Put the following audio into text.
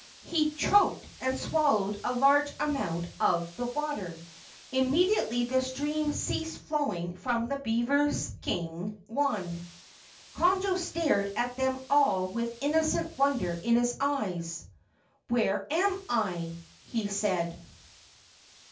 He choked and swallowed a large amount of the water. Immediately the stream ceased flowing from the beaver King's wand. Conjo stared at them all with innocent wonder in his eyes. "Where am I?" he said.